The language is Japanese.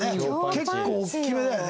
結構大きめだよね。